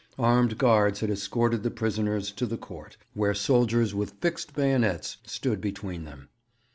Armed guards had escorted the prisoners to the court, where soldiers with fixed bayonets stood between them.